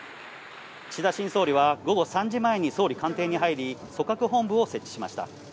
岸田新総理は午後３時前に総理官邸に入り、組閣本部を設置しました。